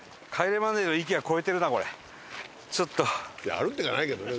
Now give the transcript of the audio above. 「歩いて行かないけどね」